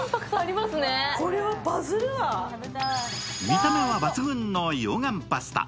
見た目は抜群の溶岩パスタ。